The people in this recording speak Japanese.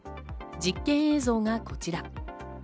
実験映像がこちら。